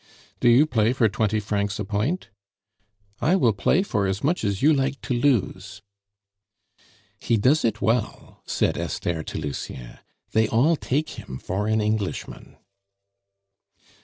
"Do you play for twenty francs a point?" "I will play for as much as you like to lose." "He does it well!" said Esther to Lucien. "They all take him for an Englishman."